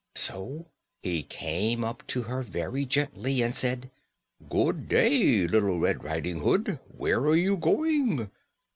So he came up to her very gently and said, "Good day, Little Red Riding Hood; where are you going?"